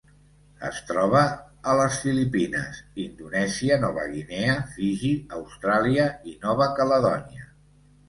Es troba a les Filipines, Indonèsia, Nova Guinea, Fiji, Austràlia i Nova Caledònia.